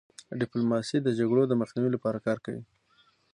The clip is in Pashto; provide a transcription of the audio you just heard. ډيپلوماسي د جګړو د مخنیوي لپاره کار کوي.